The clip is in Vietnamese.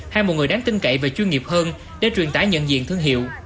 hay một người đáng tin cậy và chuyên nghiệp hơn để truyền tải nhận diện thương hiệu